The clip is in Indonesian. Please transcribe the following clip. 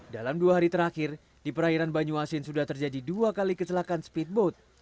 dalam dua hari terakhir di perairan banyuasin sudah terjadi dua kali kecelakaan speedboat